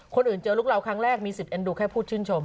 คนอื่นเจอลูกเราครั้งแรกมีสิทธิเอ็นดูแค่พูดชื่นชม